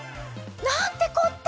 なんてこった！